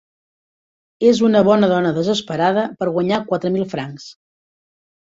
És una bona dona desesperada per guanyar quatre mil francs.